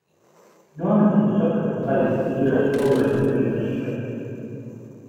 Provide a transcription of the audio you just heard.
Normanton suffered decline in the years following the miners' strike.